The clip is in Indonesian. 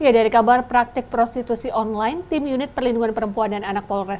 ya dari kabar praktik prostitusi online tim unit perlindungan perempuan dan anak polres